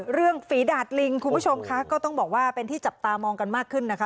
ฝีดาดลิงคุณผู้ชมค่ะก็ต้องบอกว่าเป็นที่จับตามองกันมากขึ้นนะคะ